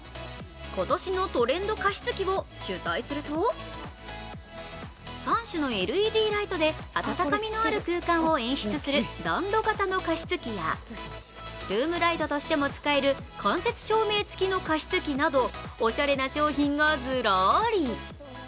今年のトレンド加湿器を取材すると３種のＬＥＤライトで温かみのある空間を演出する暖炉型の加湿器や、ルームライトとしても使える間接照明付きの加湿器など、おしゃれな商品がずらり。